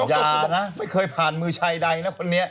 อย่านะไม่เคยผ่านมือชายใดนะคนนี้